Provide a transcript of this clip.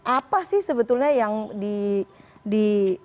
apa sih sebetulnya yang di